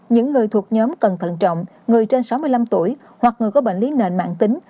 những người thuộc nhóm cẩn thận trọng người trên sáu mươi năm tuổi hoặc người có bệnh lý nền mạng tính